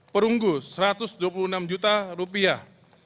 perunggu satu ratus dua puluh enam juta rupiah